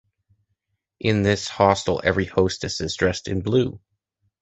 In this hostel every hostess is dressed in blue.